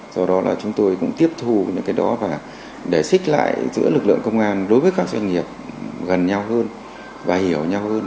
do đó là chúng tôi cũng tiếp thu những cái đó và để xích lại giữa lực lượng công an đối với các doanh nghiệp gần nhau hơn và hiểu nhau hơn